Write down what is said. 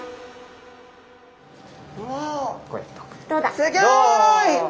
すギョい！